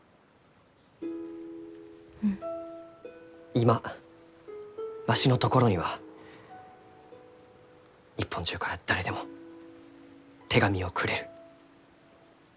今わしのところには日本中から誰でも手紙をくれる。